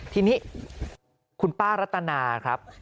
ทีนี้คุณป้ารัตนาครับ